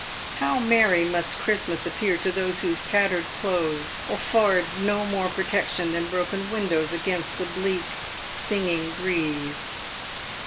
How merry must Christmas appear to those whose tattered clothes afford no more protection than broken windows against the bleak, stinging breeze.